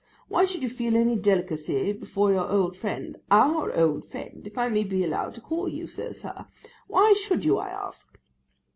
Why should you feel any delicacy before your old friend—our old friend, if I may be allowed to call you so, sir; why should you, I ask?